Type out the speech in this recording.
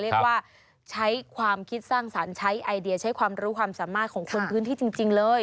เรียกว่าใช้ความคิดสร้างสรรค์ใช้ไอเดียใช้ความรู้ความสามารถของคนพื้นที่จริงเลย